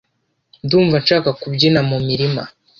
Ndumva nshaka kubyina mumirima.